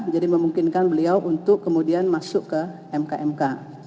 jadi memungkinkan beliau untuk kemudian masuk ke mk mk